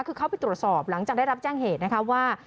คือเข้าไปตรวจสอบหลังจากได้รับแจ้งเหตุนะคะว่า